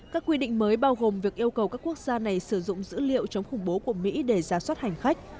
các quy định mới bao gồm việc yêu cầu các quốc gia này sử dụng dữ liệu chống khủng bố của mỹ để giả soát hành khách